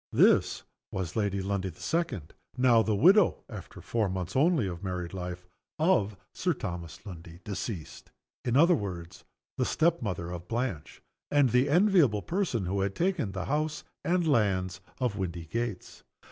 This was Lady Lundie the Second, now the widow (after four months only of married life) of Sir Thomas Lundie, deceased. In other words, the step mother of Blanche, and the enviable person who had taken the house and lands of Windygates.